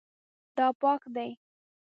دا پاک دی